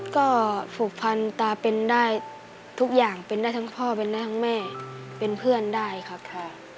ก็ผูกพันตาเป็นได้ทุกอย่างเป็นได้ทั้งพ่อเป็นได้ทั้งแม่เป็นเพื่อนได้ครับค่ะ